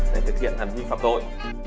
để thực hiện hành vi phạm tội